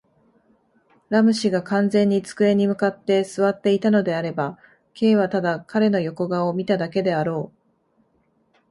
ラム氏が完全に机に向って坐っていたのであれば、Ｋ はただ彼の横顔を見ただけであろう。